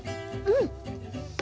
うん！